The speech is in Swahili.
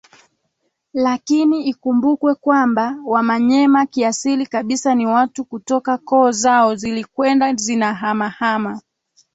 Lakini ikumbukwe kwamba Wamanyema Kiasili kabisa ni watu kutoka koo zao zilikwenda zinahama hama